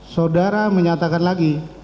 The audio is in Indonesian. saudara menyatakan lagi